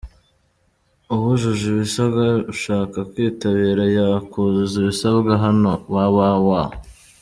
Uwujuje ibisabwa ushaka kwitabira yakuzuza ibisabwa hano www.